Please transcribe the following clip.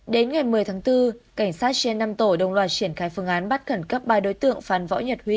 đến ngày một mươi tháng bốn cảnh sát g năm tổ đồng loạt triển khai phương án bắt khẩn cấp ba đối tượng phan võ nhật huy